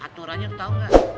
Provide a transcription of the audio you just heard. aturannya lo tau gak